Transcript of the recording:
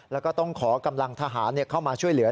แล้วก็ต้องขอกำลังทหารเข้ามาช่วยเหลือ